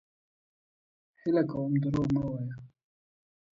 هيله کوم دروغ مه وايه!